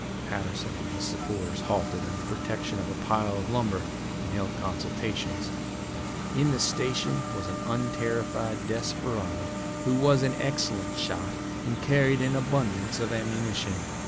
Patterson and his supporters halted under protection of a pile of lumber and held consultations. In the station was an unterrified desperado who was an excellent shot and carried an abundance of ammunition.